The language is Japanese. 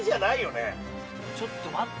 ちょっと待って。